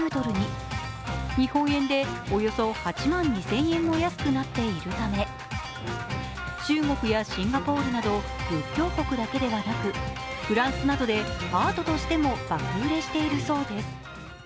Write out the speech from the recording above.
日本円でおよそ８万２０００円も安くなっているため中国やシンガポールなど仏教国だけではなく、フランスなどでアートとしても爆売れしているそうです。